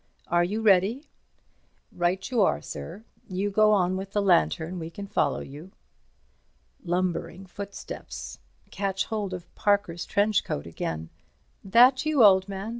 Are you ready?" "Right you are, sir. You go on with the lantern. We can follow you." Lumbering footsteps. Catch hold of Parker's trench coat again. "That you, old man?